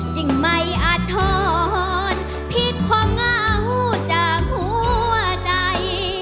จึงไม่อาทรพลิกความเหงาจากหัวใจ